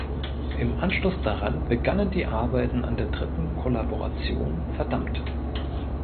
Im Anschluss daran begannen die Arbeiten an der dritten Kollaboration "Verdammt".